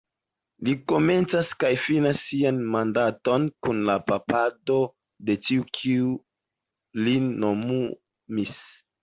Li komencas kaj finas sian mandaton kun la papado de tiu kiu lin nomumis.